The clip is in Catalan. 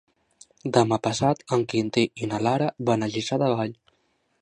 Demà passat en Quintí i na Lara van a Lliçà de Vall.